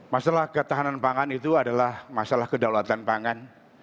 masalah ketahanan pangan itu adalah masalah kedaulatan pangan